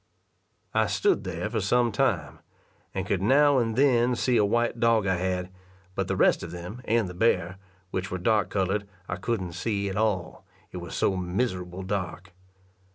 I stood there for some time, and could now and then see a white dog I had, but the rest of them, and the bear, which were dark coloured, I couldn't see at all, it was so miserable dark.